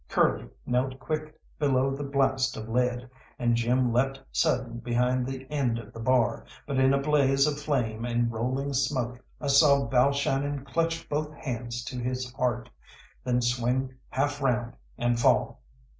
Curly knelt quick below the blast of lead, and Jim leapt sudden behind the end of the bar, but in a blaze of flame and rolling smoke I saw Balshannon clutch both hands to his heart, then swing half round and fall.